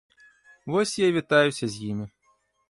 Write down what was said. Вось я і вітаюся з імі.